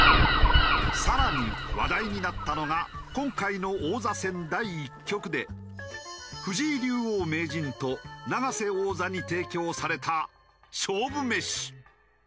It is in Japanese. さらに話題になったのが今回の王座戦第１局で藤井竜王・名人と永瀬王座に提供された勝負メシ。